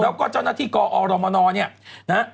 แล้วก็เจ้าหน้าที่กอรมนเนี่ยนะฮะ